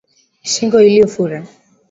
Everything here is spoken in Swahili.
Shingo iliyofura